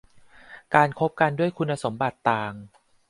การคบกันด้วยคุณสมบัติต่าง